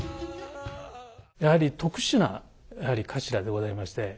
やはり特殊なやはり頭でございまして。